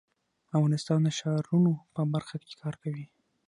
افغانستان د ښارونو په برخه کې کار کوي.